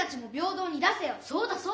そうだそうだ。